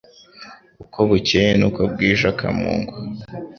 uko bukeye n'uko bwije akamungwa.